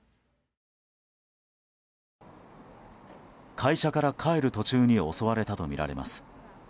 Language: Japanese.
会社から帰る途中に襲われたとみられます。